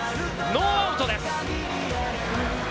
ノーアウトです。